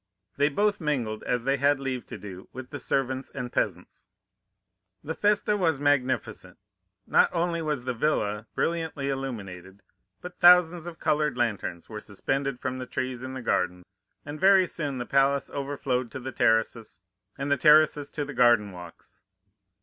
They both mingled, as they had leave to do, with the servants and peasants. "The festa was magnificent; not only was the villa brilliantly illuminated, but thousands of colored lanterns were suspended from the trees in the garden; and very soon the palace overflowed to the terraces, and the terraces to the garden walks.